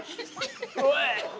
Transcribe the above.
おい！